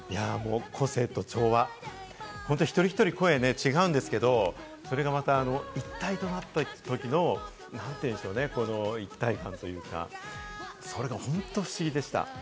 個性と調和、本当に一人一人、声違うんですけれども、それがまた一体となったときの、この一体感というか、そういうのが本当に不思議でした。